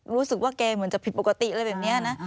รู้สึกว่าแกเหมือนจะผิดปกติอะไรแบบนี้นะ